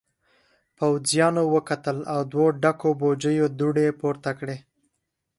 پوځيانو وکتل او دوو ډکو بوجيو دوړې پورته کړې.